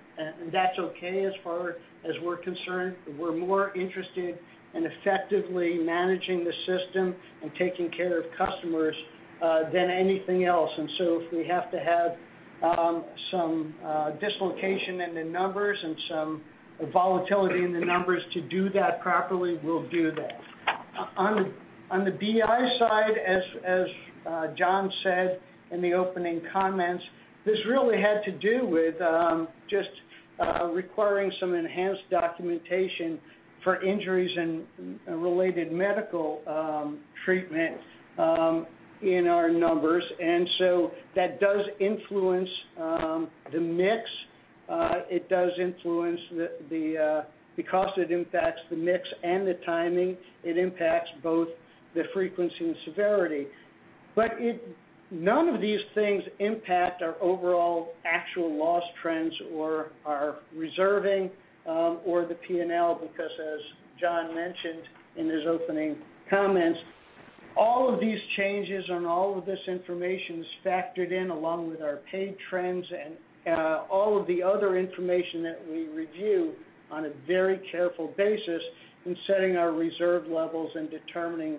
That's okay as far as we're concerned. We're more interested in effectively managing the system and taking care of customers than anything else. If we have to have some dislocation in the numbers and some volatility in the numbers to do that properly, we'll do that. On the BI side, as John said in the opening comments, this really had to do with just requiring some enhanced documentation for injuries and related medical Treatment in our numbers. That does influence the mix. Because it impacts the mix and the timing, it impacts both the frequency and severity. None of these things impact our overall actual loss trends or our reserving or the P&L, because as John mentioned in his opening comments, all of these changes and all of this information is factored in along with our paid trends and all of the other information that we review on a very careful basis in setting our reserve levels and determining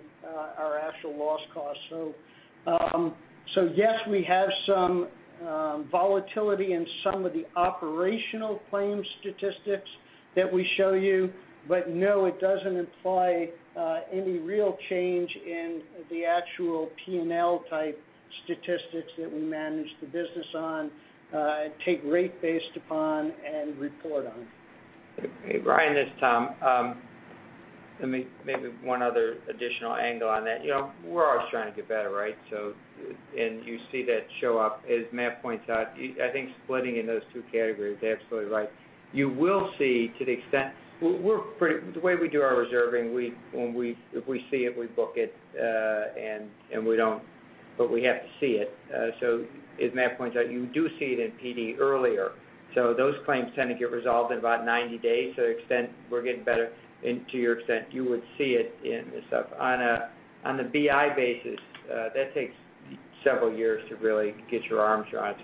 our actual loss cost. Yes, we have some volatility in some of the operational claims statistics that we show you. No, it doesn't imply any real change in the actual P&L type statistics that we manage the business on, take rate based upon, and report on. Hey, Ryan, this is Tom. Maybe one other additional angle on that. We're always trying to get better, right? You see that show up, as Matt points out, I think splitting in those two categories, they're absolutely right. The way we do our reserving, if we see it, we book it, but we have to see it. As Matt points out, you do see it in PD earlier. Those claims tend to get resolved in about 90 days, to an extent we're getting better, and to your extent, you would see it in this stuff. On the BI basis, that takes several years to really get your arms around.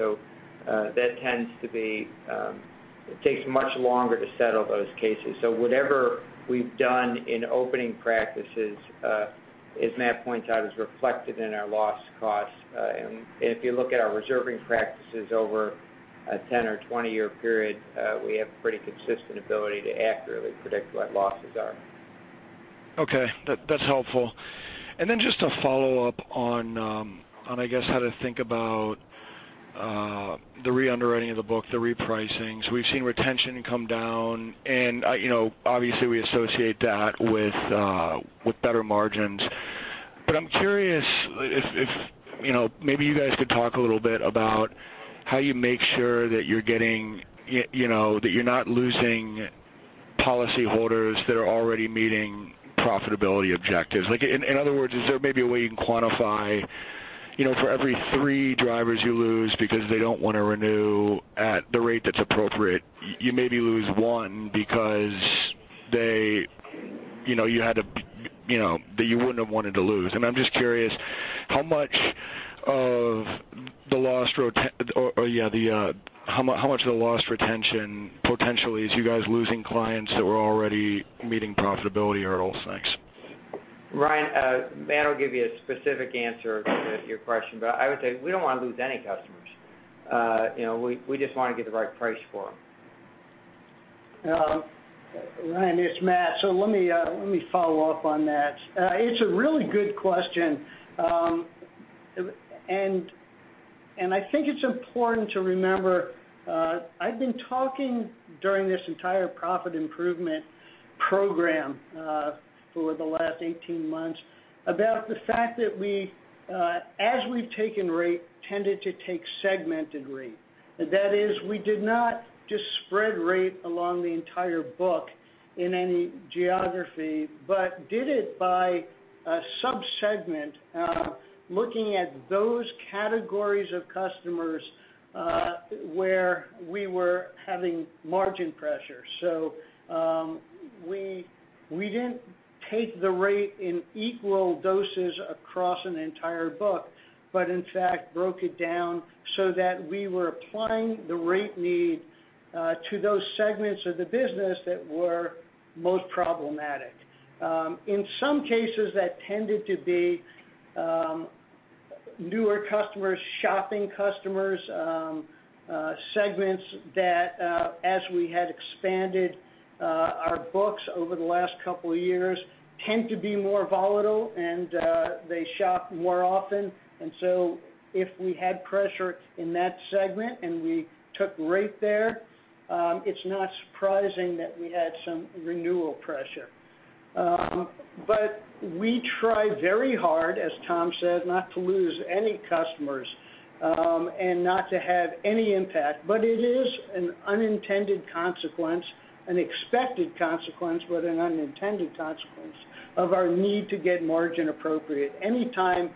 It takes much longer to settle those cases. Whatever we've done in opening practices, as Matt points out, is reflected in our loss costs. If you look at our reserving practices over a 10 or 20 year period, we have pretty consistent ability to accurately predict what losses are. Okay. That's helpful. Just a follow-up on how to think about the re-underwriting of the book, the repricings. We've seen retention come down, and obviously we associate that with better margins. I'm curious, maybe you guys could talk a little bit about how you make sure that you're not losing policyholders that are already meeting profitability objectives. In other words, is there maybe a way you can quantify for every three drivers you lose because they don't want to renew at the rate that's appropriate, you maybe lose one that you wouldn't have wanted to lose. I'm just curious how much of the lost retention potentially is you guys losing clients that were already meeting profitability hurdles? Thanks. Ryan, Matt will give you a specific answer to your question, I would say we don't want to lose any customers. We just want to get the right price for them. Ryan, it's Matt. Let me follow up on that. It's a really good question. I think it's important to remember, I've been talking during this entire profit improvement program for the last 18 months about the fact that as we've taken rate, tended to take segmented rate. That is, we did not just spread rate along the entire book in any geography, but did it by subsegment, looking at those categories of customers where we were having margin pressure. We didn't take the rate in equal doses across an entire book, but in fact broke it down so that we were applying the rate need to those segments of the business that were most problematic. In some cases, that tended to be newer customers, shopping customers, segments that as we had expanded our books over the last couple of years, tend to be more volatile, and they shop more often. If we had pressure in that segment, and we took rate there, it's not surprising that we had some renewal pressure. We try very hard, as Tom said, not to lose any customers, and not to have any impact. It is an unintended consequence, an expected consequence, but an unintended consequence of our need to get margin appropriate. Any time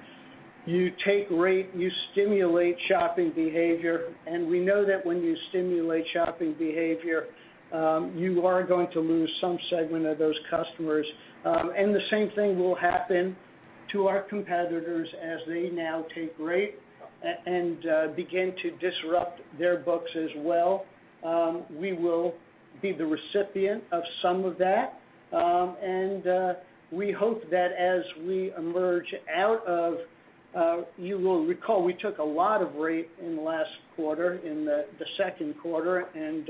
you take rate, you stimulate shopping behavior, and we know that when you stimulate shopping behavior, you are going to lose some segment of those customers. The same thing will happen to our competitors as they now take rate and begin to disrupt their books as well. We will be the recipient of some of that. We hope that as we emerge, you will recall, we took a lot of rate in the last quarter, in the second quarter, and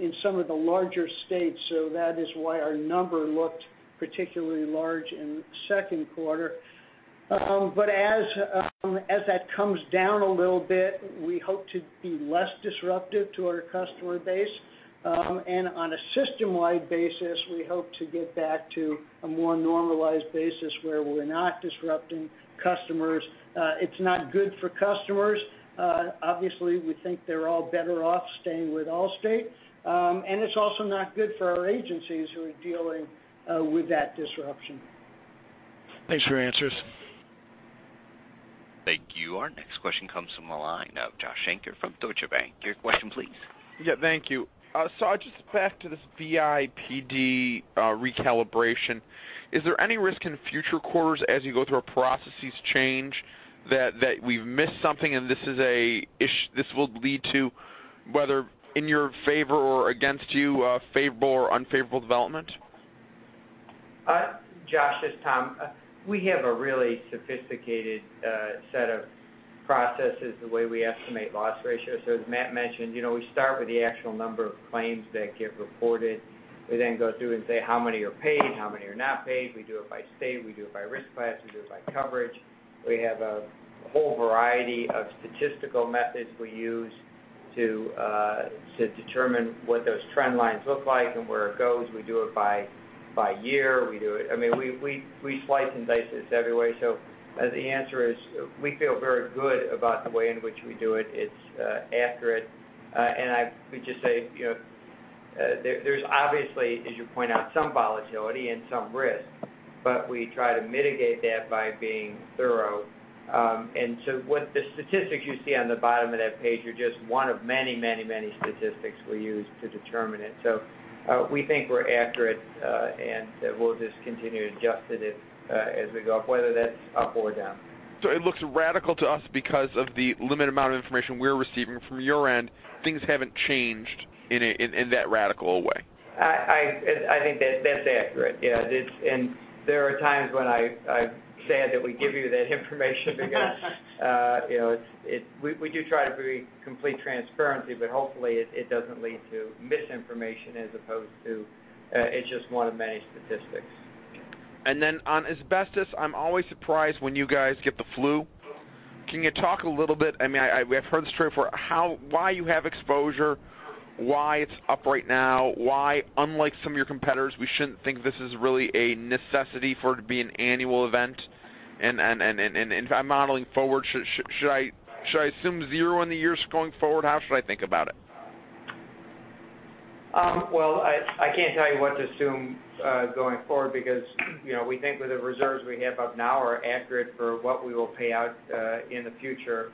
in some of the larger states. That is why our number looked particularly large in the second quarter. As that comes down a little bit, we hope to be less disruptive to our customer base. On a system-wide basis, we hope to get back to a more normalized basis where we're not disrupting customers. It's not good for customers. Obviously, we think they're all better off staying with Allstate. It's also not good for our agencies who are dealing with that disruption. Thanks for your answers. Thank you. Our next question comes from the line of Joshua Shanker from Deutsche Bank. Your question please. Thank you. Just back to this BI/PD recalibration, is there any risk in future quarters as you go through a processes change that we've missed something and this will lead to, whether in your favor or against you, a favorable or unfavorable development? Josh, it's Tom. We have a really sophisticated set of processes the way we estimate loss ratios. As Matt mentioned, we start with the actual number of claims that get reported. We then go through and say how many are paid, how many are not paid. We do it by state, we do it by risk class, we do it by coverage. We have a whole variety of statistical methods we use to determine what those trend lines look like and where it goes. We do it by year. We slice and dice this every way. The answer is, we feel very good about the way in which we do it. It's accurate. I would just say, there's obviously, as you point out, some volatility and some risk, but we try to mitigate that by being thorough. The statistics you see on the bottom of that page are just one of many, many, many statistics we use to determine it. We think we're accurate, and we'll just continue to adjust it as we go, whether that's up or down. It looks radical to us because of the limited amount of information we're receiving. From your end, things haven't changed in that radical a way. I think that's accurate. Yeah. There are times when I'm sad that we give you that information because we do try to be complete transparency, but hopefully it doesn't lead to misinformation as opposed to, it's just one of many statistics. On asbestos, I'm always surprised when you guys get the flu. Can you talk a little bit, I've heard this term before, why you have exposure, why it's up right now, why, unlike some of your competitors, we shouldn't think this is really a necessity for it to be an annual event? If I'm modeling forward, should I assume zero in the years going forward? How should I think about it? I can't tell you what to assume going forward because, we think that the reserves we have up now are accurate for what we will pay out in the future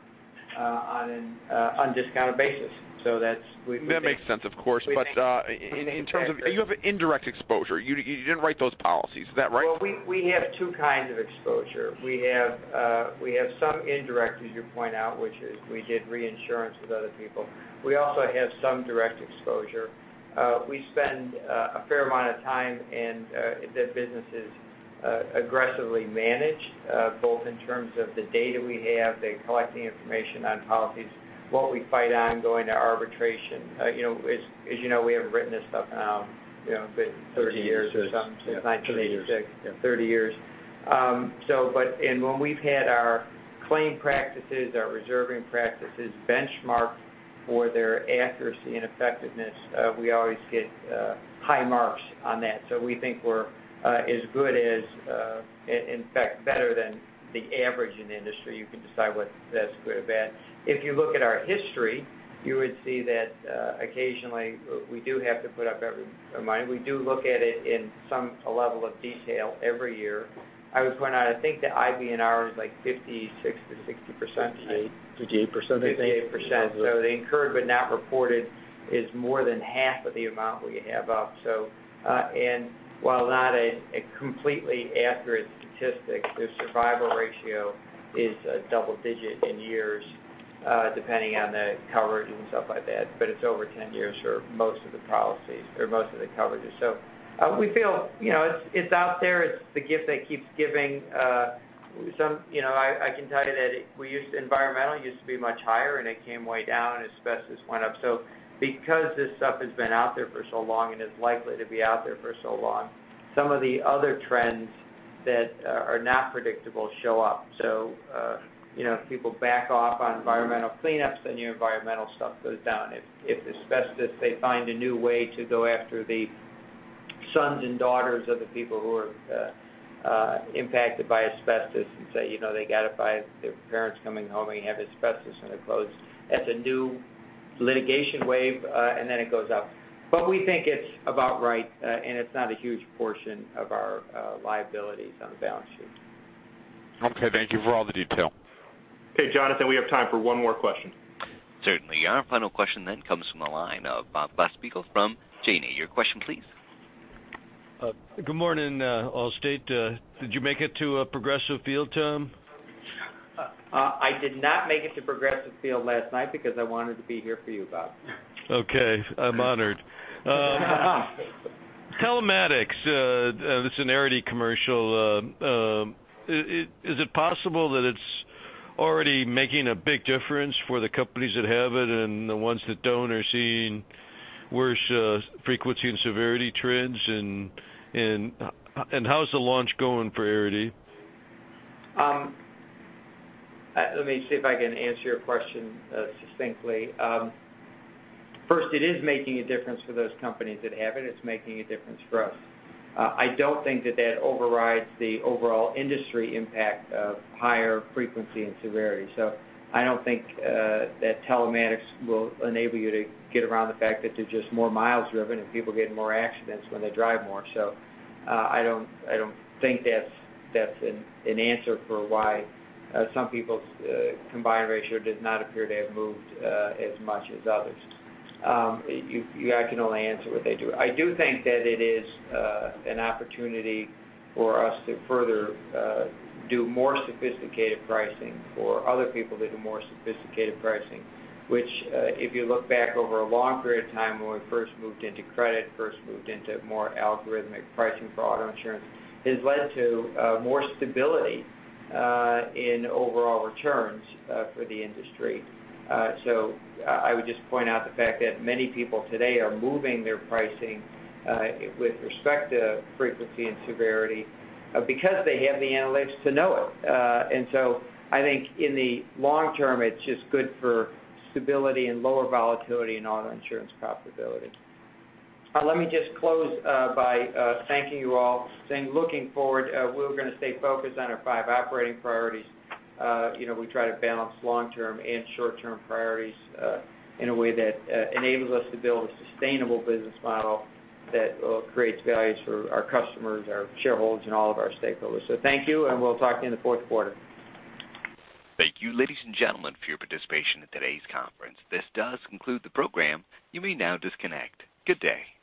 on an undiscounted basis. That makes sense, of course. In terms of, you have an indirect exposure. You didn't write those policies. Is that right? We have two kinds of exposure. We have some indirect, as you point out, which is we did reinsurance with other people. We also have some direct exposure. We spend a fair amount of time in the businesses aggressively managed, both in terms of the data we have, the collecting information on policies, what we fight on going to arbitration. As you know, we haven't written this stuff now, 30 years or something since 1986. 30 years. Yeah. 30 years. When we've had our claim practices, our reserving practices benchmarked for their accuracy and effectiveness, we always get high marks on that. We think we're as good as, in fact better than, the average in the industry. You can decide whether that's good or bad. If you look at our history, you would see that occasionally we do have to put up every remind. We do look at it in some level of detail every year. I was going to, I think the IBNR is like 56%-60%. 58%. 58%. The incurred but not reported is more than half of the amount we have up. While not a completely accurate statistic, the survival ratio is double digit in years, depending on the coverage and stuff like that, but it's over 10 years for most of the policies or most of the coverages. We feel, it's out there. It's the gift that keeps giving. I can tell you that environmental used to be much higher, it came way down, and asbestos went up. Because this stuff has been out there for so long and is likely to be out there for so long, some of the other trends that are not predictable show up. If people back off on environmental cleanups, then your environmental stuff goes down. If asbestos, they find a new way to go after the sons and daughters of the people who are impacted by asbestos and say, they got it by their parents coming home and have asbestos on their clothes as a new litigation wave, then it goes up. We think it's about right, and it's not a huge portion of our liabilities on the balance sheet. Okay. Thank you for all the detail. Okay, Jonathan, we have time for one more question. Certainly. Our final question then comes from the line of Bob Glasspiegel from Janney. Your question, please. Good morning, Allstate. Did you make it to Progressive Field, Tom? I did not make it to Progressive Field last night because I wanted to be here for you, Bob. Okay. I'm honored. telematics, the Arity commercial, is it possible that it's Arity making a big difference for the companies that have it, the ones that don't are seeing worse frequency and severity trends? How's the launch going for Arity? Let me see if I can answer your question succinctly. First, it is making a difference for those companies that have it. It's making a difference for us. I don't think that that overrides the overall industry impact of higher frequency and severity. I don't think that telematics will enable you to get around the fact that there's just more miles driven and people get in more accidents when they drive more. I don't think that's an answer for why some people's combined ratio does not appear to have moved as much as others. I can only answer what they do. I do think that it is an opportunity for us to further do more sophisticated pricing for other people that do more sophisticated pricing, which if you look back over a long period of time when we first moved into credit, first moved into more algorithmic pricing for auto insurance, has led to more stability in overall returns for the industry. I would just point out the fact that many people today are moving their pricing with respect to frequency and severity because they have the analytics to know it. I think in the long term, it's just good for stability and lower volatility in auto insurance profitability. Let me just close by thanking you all, saying looking forward, we're going to stay focused on our five operating priorities. We try to balance long-term and short-term priorities in a way that enables us to build a sustainable business model that creates value for our customers, our shareholders, and all of our stakeholders. Thank you, and we'll talk to you in the fourth quarter. Thank you, ladies and gentlemen, for your participation in today's conference. This does conclude the program. You may now disconnect. Good day.